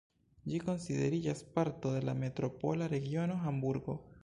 Ĝi konsideriĝas parto de la metropola regiono Hamburgo.